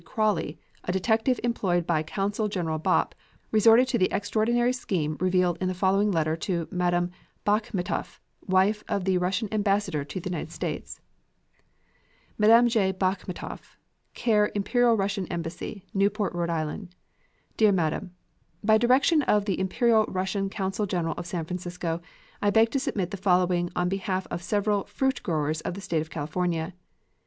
Crowley, a detective employed by Consul General Bopp, resorted to the extraordinary scheme revealed in the following letter to Madam Bakhmeteff, wife of the Russian Ambassador to the United States: MME J. BAKHMETEFF, care Imperial Russian Embassy, Newport, R. I.: DEAR MADAM: By direction of the Imperial Russian Consul General of San Francisco, I beg to submit the following on behalf of several fruit growers of the State of California.